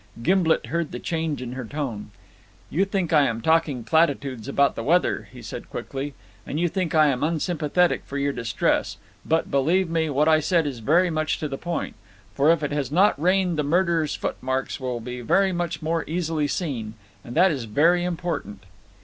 Gimblet heard the change in her tone. "You think I am talking platitudes about the weather," he said quickly, "and you think I am unsympathetic for your distress; but, believe me, what I said is very much to the point. If it has not rained the murderer's footmarks will be very much more easily seen, and that is very important."